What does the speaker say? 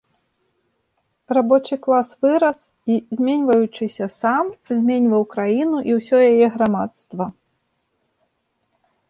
Рабочы клас вырас і, зменьваючыся сам, зменьваў краіну і ўсё яе грамадства.